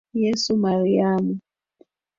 Yesu Mariamu.